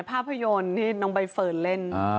ภาพยนตร์ที่น้องใบเฟิร์นเล่น